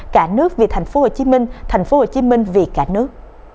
cả nước vì tp hcm tp hcm vì cả nước